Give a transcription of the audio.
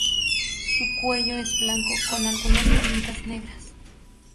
Su cuello es blanco con algunas pintas negras.